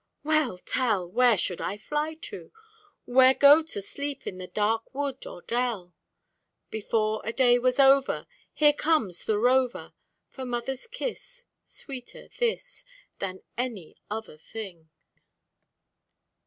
Well tell! Where should I fly to, Where go to sleep in the dark wood or dell? Before a day was over, Home comes the rover, For Mother's kiss, sweeter this Than any other thing!